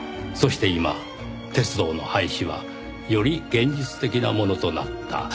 そして今鉄道の廃止はより現実的なものとなった。